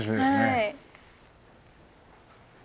はい。